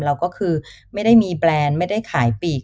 เราก็คือไม่ได้มีแบรนด์ไม่ได้ขายปีก